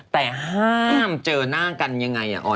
แต่ห้ามเจอหน้ากันยังไงอ่ะอ้อย